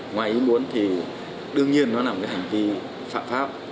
ngoài ý muốn thì đương nhiên nó là một cái hành vi phạm pháp